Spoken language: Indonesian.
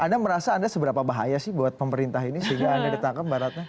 anda merasa anda seberapa bahaya sih buat pemerintah ini sehingga anda ditangkap mbak ratna